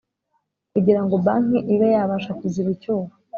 Kugirango banki ibe yabasha kuziba icyuho